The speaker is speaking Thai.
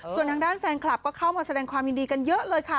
ส่วนทางด้านแฟนคลับก็เข้ามาแสดงความยินดีกันเยอะเลยค่ะ